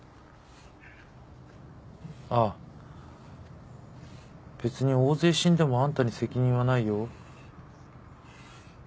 あっ別に大勢死んでもあんたに責任はないよ。